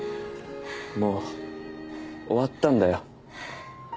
もう終わったんだよ。